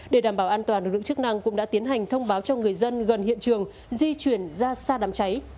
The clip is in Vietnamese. để đảm bảo an toàn lực lượng chức năng cũng đã tiến hành thông báo cho người dân gần hiện trường di chuyển ra xa đám cháy